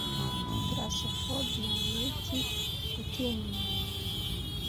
Thalassophobia ni iki gutinya Inyanja